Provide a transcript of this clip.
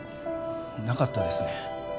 ・なかったです